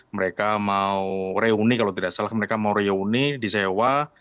mereka mau reuni kalau tidak salah mereka mau reuni disewa